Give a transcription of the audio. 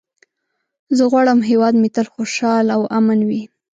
زه غواړم هېواد مې تل خوشحال او امن وي.